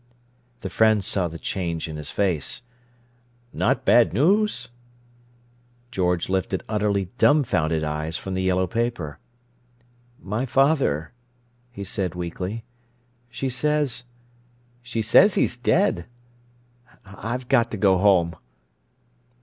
The friend saw the change in his face. "Not bad news?" George lifted utterly dumfounded eyes from the yellow paper. "My father," he said weakly. "She says—she says he's dead. I've got to go home."